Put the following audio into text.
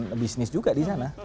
dan bisnis juga di sana